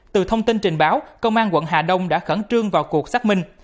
từ thông tin trình báo công an quận hà đông đã khẩn trương vào cuộc xác minh